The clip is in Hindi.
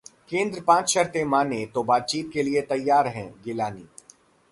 केंद्र पांच शर्तें मानें तो बातचीत के लिए तैयार हैं: गिलानी